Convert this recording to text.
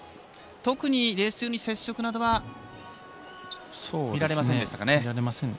特にレース中に接触などは見られませんでしたかね。